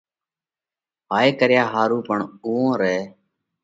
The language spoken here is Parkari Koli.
ھائي ڪريا ۿارُو پڻ اُوئون رئہ